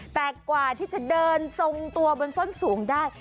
แต่กว่าที่จะเดินทรงตัวบนส้นสูงได้